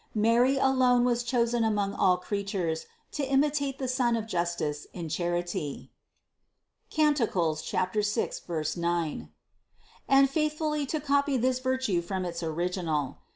Mary alone was chosen among all creatures to imitate the Sun of justice in charity (Cant. 6, 9), and faithfully to copy this virtue from its Original.